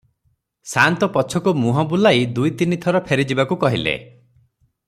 ସାଆନ୍ତେ ପଛକୁ ମୁହଁ ବୁଲାଇ ଦୁଇ ତିନି ଥର ଫେରିଯିବାକୁ କହିଲେ ।